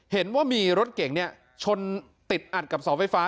เห็นว่ามีรถเก่งชนติดอัดกับเสาไฟฟ้า